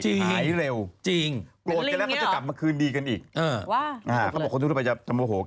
หายเร็วโกรธก็แล้วก็จะกลับมาคืนดีกันอีกจริงเป็นลิ้งอย่างนี้เหรอ